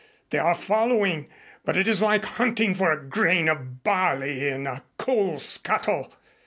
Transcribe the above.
They are following, but it is like hunting for a grain of barley in a coal scuttle.